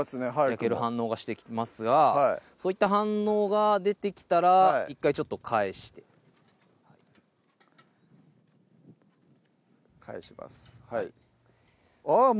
焼ける反応がしてますがそういった反応が出てきたら１回返して返しますあぁっ